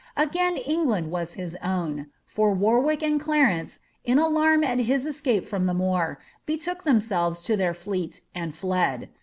Again England was his own : for Warwick and Cla rence, in alarm at his escape from the More, betook themselves to •their fleet and fled.